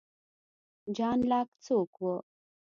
جان لاک څوک و؟